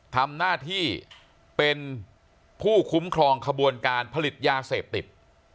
ทำหน้าที่เป็นผู้คุ้มครองขบวนการผลิตยาเสพติด